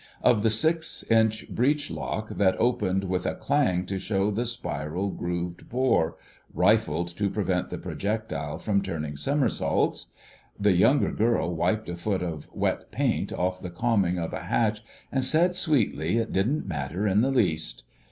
Of the six inch breech block that opened with a clang to show the spiral grooved bore—rifled to prevent the projectile from turning somersaults.... The younger girl wiped a foot of wet paint off the coaming of a hatch and said sweetly it didn't matter in the least.